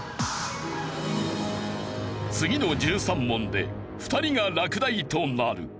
次の１３問で２人が落第となる。